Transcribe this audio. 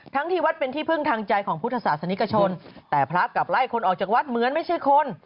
ที่วัดเป็นที่พึ่งทางใจของพุทธศาสนิกชนแต่พระกลับไล่คนออกจากวัดเหมือนไม่ใช่คน